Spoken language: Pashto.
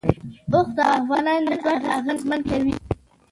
اوښ د افغانانو ژوند اغېزمن کوي.